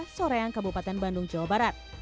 soreang kabupaten bandung jawa barat